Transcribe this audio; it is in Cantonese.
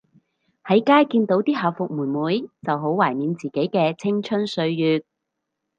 喺街見到啲校服妹妹就好懷緬自己嘅青春歲月